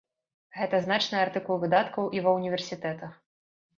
Гэта значны артыкул выдаткаў і ва ўніверсітэтах.